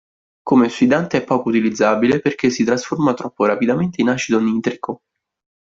Come ossidante è poco utilizzabile perché si trasforma troppo rapidamente in acido nitrico.